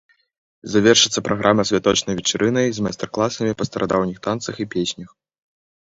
Завершыцца праграма святочнай вечарынай з майстар-класамі па старадаўніх танцах і песнях.